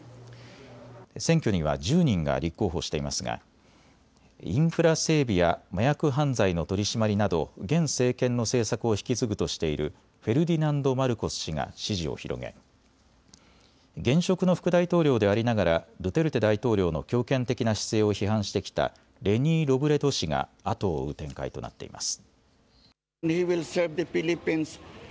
選挙には１０人が立候補していますがインフラ整備や麻薬犯罪の取締りなど現政権の政策を引き継ぐとしているフェルディナンド・マルコス氏が支持を広げ現職の副大統領でありながらドゥテルテ大統領の強権的な姿勢を批判してきたレニー・ロブレド氏が後を追う展開となっています。